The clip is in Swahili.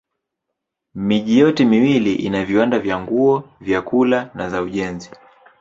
Miji yote miwili ina viwanda vya nguo, vyakula na za ujenzi.